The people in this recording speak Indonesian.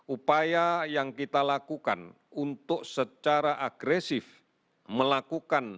upaya yang kita lakukan untuk secara agresif melakukan